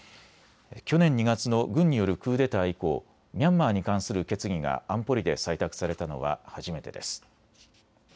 去年２月の軍によるクーデター以降、ミャンマーに関する決議が安保理で採択されたのは初めてです。